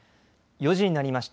４時になりました。